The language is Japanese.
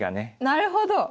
なるほど。